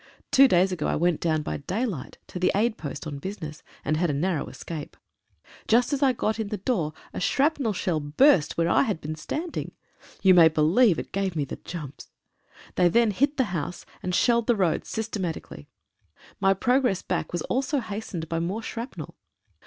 Two days ago I went down by daylight to the aid post on business, and had a narrow escape. Just as I got in the door a shrapnel shell burst where I had been standing. You may believe it gave me the jumps. They then hit the house, and shelled the road systematically. My progress back was also hastened by more shrapnel.